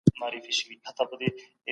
اته جمع يو؛ نهه کېږي.